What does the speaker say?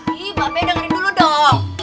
iiih babe dengerin dulu dong